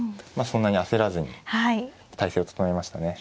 そんなに焦らずに態勢を整えましたね。